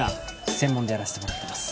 専門でやらしてもらってます。